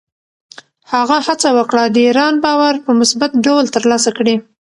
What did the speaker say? هغه هڅه وکړه، د ایران باور په مثبت ډول ترلاسه کړي.